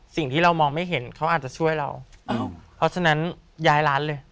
สิ่งที่เรามองไม่เห็นเขาอาจจะช่วยเราเพราะฉะนั้นย้ายร้านเลย